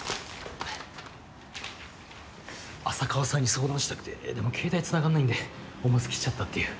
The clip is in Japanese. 浅川さんに相談したくてでも携帯つながんないんで思わず来ちゃったっていう